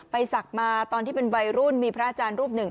ศักดิ์มาตอนที่เป็นวัยรุ่นมีพระอาจารย์รูปหนึ่ง